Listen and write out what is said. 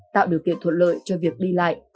tạo điều kiện thuận lợi cho việc đi lại